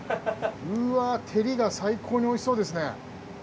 うわ照りが最高においしそうですね。